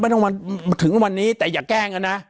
ต้องมาถึงวันนี้แต่อย่าแกล้งกันนะ